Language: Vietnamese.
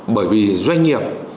bởi vì doanh nghiệp